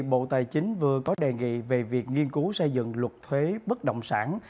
bộ tài chính vừa có đề nghị về việc nghiên cứu xây dựng luật thuế bất động sản